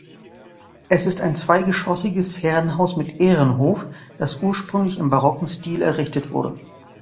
Es ist ein zweigeschossiges Herrenhaus mit Ehrenhof, das ursprünglich im barocken Stil errichtet wurde.